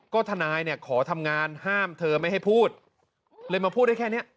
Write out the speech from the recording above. ก็ทนายเนี่ยขอทำงานห้ามเธอไม่ให้พูดเลยมาพูดได้แค่เนี้ย